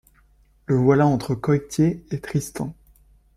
Le voilà entre Coictier et Tristan.